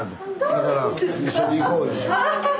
だから一緒に行こう言うて。